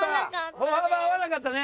歩幅合わなかったね。